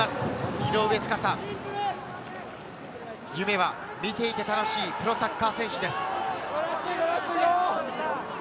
井上斗嵩、夢は見ていて楽しいプロサッカー選手です。